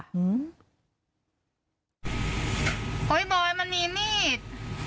บอยบอยมันมีมีด